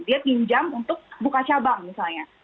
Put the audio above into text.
dia pinjam untuk buka cabang misalnya